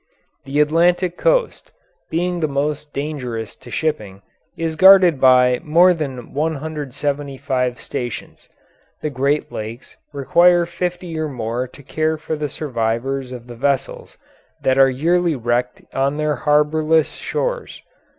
The Atlantic coast, being the most dangerous to shipping, is guarded by more than 175 stations; the Great Lakes require fifty or more to care for the survivors of the vessels that are yearly wrecked on their harbourless shores.